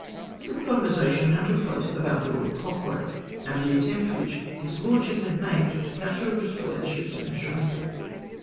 Some conversation now took place about Lord Cochrane, and the attempt which his lordship had made to capture or destroy the ships in the Charente.